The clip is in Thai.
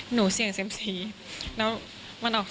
เสี่ยงเซ็มสีแล้วมันออก